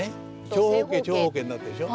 長方形長方形になってるでしょ。